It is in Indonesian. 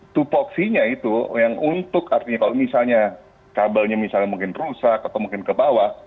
itu paksinya itu yang untuk artinya kalau misalnya kabelnya misalnya mungkin rusak atau mungkin kebawah